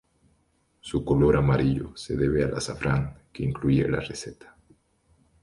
Su color amarillo se debe al azafrán que incluye la receta.